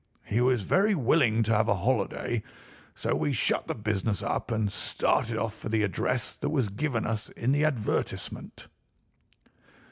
He was very willing to have a holiday, so we shut the business up and started off for the address that was given us in the advertisement.